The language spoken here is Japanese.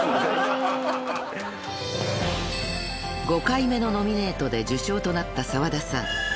［５回目のノミネートで受賞となった澤田さん］